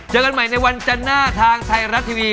เจอกันใหม่ในวันจันทร์หน้าทางไทยรัฐทีวี